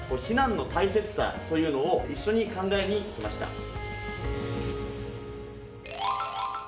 避難の大切さというのを一緒に考えにきました。